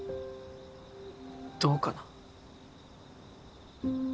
どうかな。